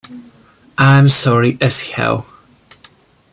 I'm sorry as hell.